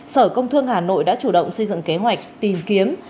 sở công thương hà nội đã chủ động xây dựng kế hoạch